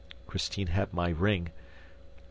Christine had my ring ...